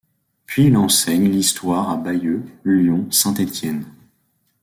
Puis il enseigne l'histoire à Bayeux, Lyon, Saint-Étienne.